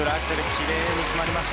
きれいに決まりました。